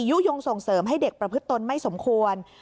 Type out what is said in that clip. ยุโยงส่งเสริมให้เด็กประพฤติตนไม่สมควร